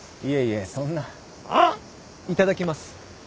いただきます。